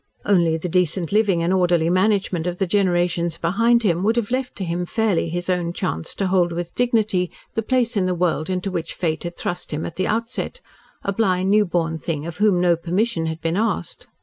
Only the decent living and orderly management of the generations behind him would have left to him fairly his own chance to hold with dignity the place in the world into which Fate had thrust him at the outset a blind, newborn thing of whom no permission had been asked.